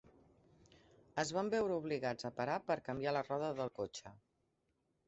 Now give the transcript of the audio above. Es van veure obligats a parar per canviar la roda del cotxe.